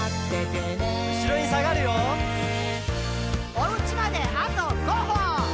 「おうちまであと５歩！」